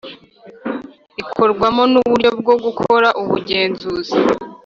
Rikorwamo n uburyo bwo gukora ubugenzuzi